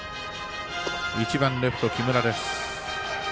１番、レフトの木村です。